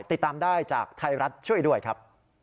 ติดตามได้จากไทยรัฐช่วยด้วยครับ